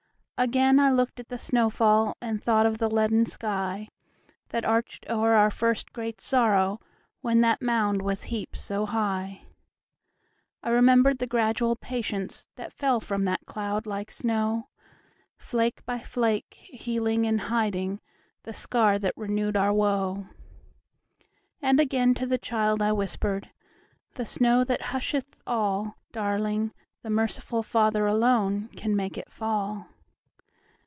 Again I looked at the snow fall, And thought of the leaden skyThat arched o'er our first great sorrow, When that mound was heaped so high.I remembered the gradual patienceThat fell from that cloud like snow, Flake by flake, healing and hidingThe scar that renewed our woe. And again to the child I whispered,"The snow that husheth all, Darling, the merciful FatherAlone can make it fall!"